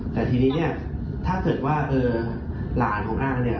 แต่ทีนี้เนี่ยถ้าเกิดว่าหลานของอาเนี่ย